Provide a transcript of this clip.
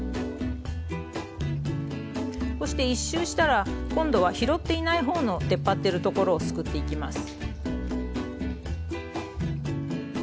そして１周したら今度は拾っていない方の出っ張ってるところをすくっていきます。